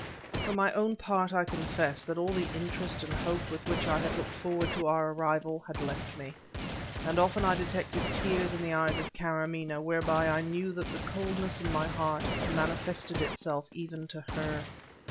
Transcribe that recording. For my own part, I confess that all the interest and hope with which I had looked forward to our arrival, had left me, and often I detected tears in the eyes of Karamaneh whereby I knew that the coldness in my heart had manifested itself even to her.